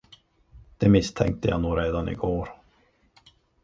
Det misstänkte jag nog redan i går.